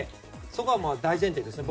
そこは大前提ですね